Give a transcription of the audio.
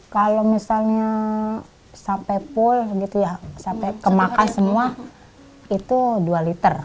kalau misalnya sampai pul sampai ke makan semua itu dua liter